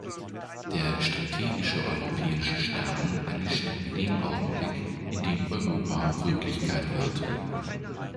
Der strategische europäische Stern erlischt in dem Augenblick, in dem Europa Wirklichkeit wird.